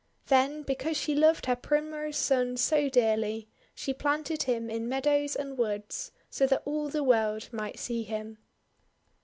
Then, because she loved her Primrose Son so dearly, she planted him in meadows and woods, so that all the world might see him.